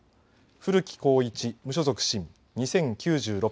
古木浩一、無所属、新２０９６票。